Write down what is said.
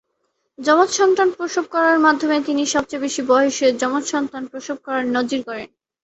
যমজ সন্তান প্রসব করার মাধ্যমে তিনি সবচেয়ে বেশি বয়সে যমজ সন্তান প্রসব করার নজির গড়েন।